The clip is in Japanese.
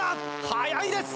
速いです！